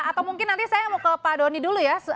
atau mungkin nanti saya mau ke pak doni dulu ya